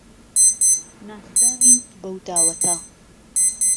ناسراوین بهو داوهته